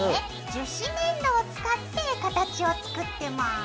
樹脂粘土を使って形を作ってます。